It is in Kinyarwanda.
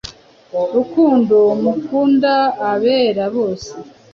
n’urukundo mukunda abera bose,